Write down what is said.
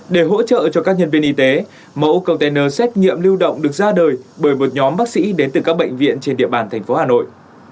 để hỗ trợ cho các nhân viên y tế mẫu container xét nghiệm lưu động được ra đời bởi một nhóm bác sĩ đến từ các bệnh viện trên địa bàn thành phố hà nội